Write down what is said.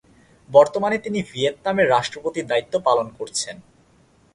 বর্তমানে তিনি ভিয়েতনামের রাষ্ট্রপতির দায়িত্ব পালন করছেন।